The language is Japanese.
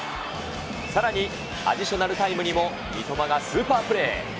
さらにアディショナルタイムにも、三笘がスーパープレー。